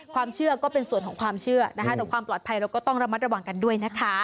ก็เป็นส่วนของความเชื่อนะคะแต่ความปลอดภัยเราก็ต้องระมัดระวังกันด้วยนะคะ